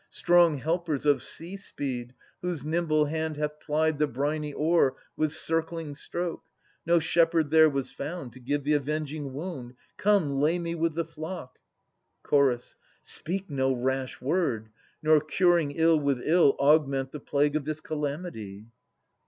Strong helpers of sea speed, whose nimble hand Hath plied the briny oar with circling stroke, No shepherd there was found To give the avenging wound. Come, lay me with the flock ! Ch. Speak no rash word ! nor curing ill with ill Augment the plague of this calamity.